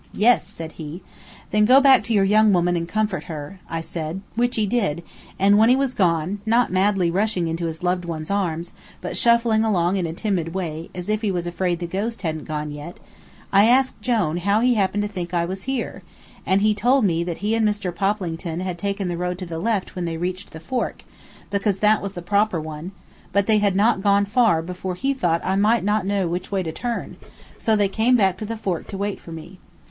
"Yes," said he. "Then go back to your young woman and comfort her," I said, which he did, and when he had gone, not madly rushing into his loved one's arms, but shuffling along in a timid way, as if he was afraid the ghost hadn't gone yet, I asked Jone how he happened to think I was here, and he told me that he and Mr. Poplington had taken the road to the left when they reached the fork, because that was the proper one, but they had not gone far before he thought I might not know which way to turn, so they came back to the fork to wait for me.